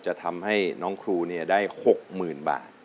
จะทำให้น้องครูได้๖๐๐๐บาท